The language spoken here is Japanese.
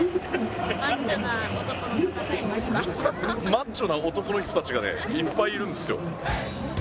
マッチョな男の人たちがねいっぱいいるんですよ。